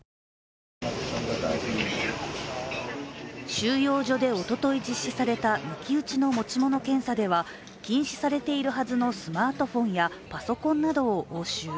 収容所でおととい実施された抜き打ちの持ち物検査では禁止されているはずのスマートフォンやパソコンなどを押収。